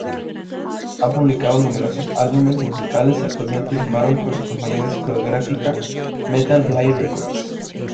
Ha publicado numerosos álbumes musicales, actualmente, firmaron con la compañía discográfica Metal Blade Records.